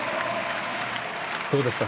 どうですか？